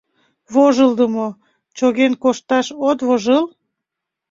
Вожылдымо, чоген кошташ от вожыл.